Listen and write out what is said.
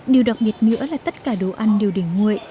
điều đặc biệt nữa là tất cả đồ ăn đều để nguội